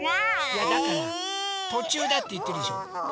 いやだからとちゅうだっていってるじゃん。